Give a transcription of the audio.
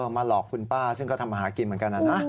มาหลอกคุณป้าซึ่งก็ทำมาหากินเหมือนกันนะ